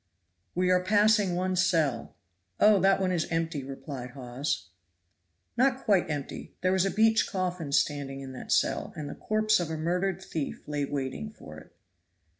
"We are passing one cell." "Oh! that one is empty," replied Hawes. Not quite empty; there was a beech coffin standing in that cell, and the corpse of a murdered thief lay waiting for it.